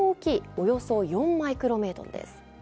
およそ４マイクロメートルです。